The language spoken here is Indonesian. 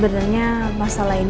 kayaknya dia udah berpikir